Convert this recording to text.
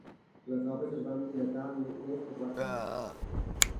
Les obres es van dilatar més de quatre anys.